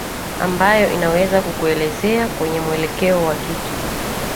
ambayo inaweza kukuelezea kwenye mwelekeo wa kitu